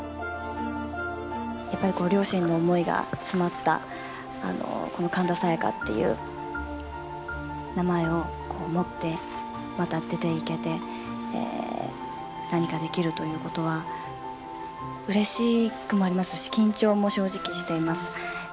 やっぱり両親の思いが詰まったこの神田沙也加っていう名前をもって、また出ていけて、何かできるということは、うれしくもありますし、緊張も正直しています。